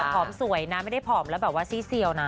ผอมสวยนะไม่ได้ผอมแล้วแบบว่าซี่เซียวนะ